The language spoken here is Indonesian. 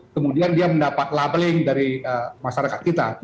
kemudian dia mendapat labeling dari masyarakat kita